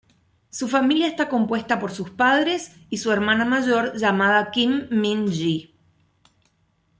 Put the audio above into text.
Su familia está compuesta por sus padres y su hermana mayor llamada Kim Min-ji.